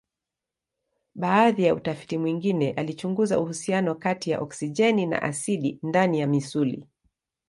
Baadhi ya utafiti mwingine alichunguza uhusiano kati ya oksijeni na asidi ndani ya misuli.